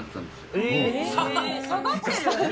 下がってる？